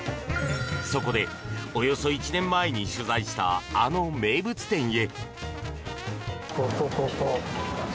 そこで、およそ１年前に取材したあの名物店へ。